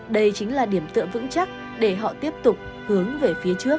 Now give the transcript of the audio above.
đây chính là điểm tựa vững chắc để họ tiếp tục hướng về phía trước